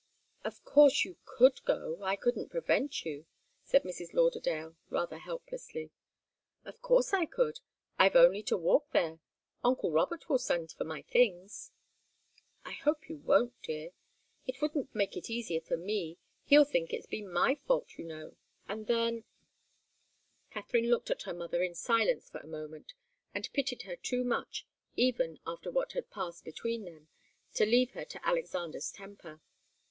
"Of course you could go I couldn't prevent you," said Mrs. Lauderdale, rather helplessly. "Of course I could. I've only to walk there. Uncle Robert will send for my things." "I hope you won't, dear. It wouldn't make it easier for me he'll think it's been my fault, you know and then " Katharine looked at her mother in silence for a moment, and pitied her too much, even after what had passed between them, to leave her to Alexander's temper.